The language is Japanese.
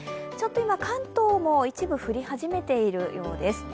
今、関東も一部、降り始めているようです。